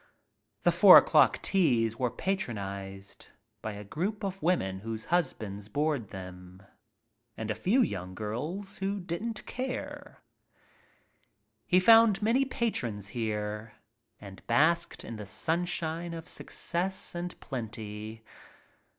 The four o'clock teas were patronized by a group of women whose husbands bored them and a few young girls who didn't care. He found many patrons here and basked in the sunshine of success and plenty.